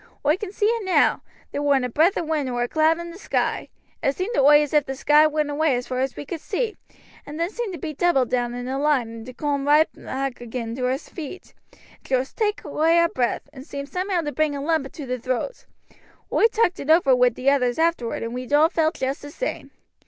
Oi can see it now. There warn't a breath of wind nor a cloud i' the sky. It seemed to oi as if the sky went away as far as we could see, and then seemed to be doubled down in a line and to coom roight back agin to our feet. It joost took away our breath, and seemed somehow to bring a lump into the throat. Oi talked it over wi' the others afterward and we'd all felt just the same.